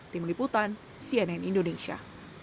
tim liputan cnn indonesia